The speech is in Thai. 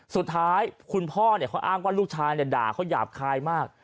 สุดท้ายคุณพ่อเขาอ้างว่าลูกชายด่าเขาหยาบคายมาก